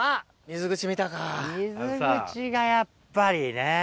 水口がやっぱりね。